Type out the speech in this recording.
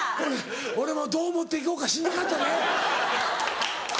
俺もどう持っていこうかしんどかったで。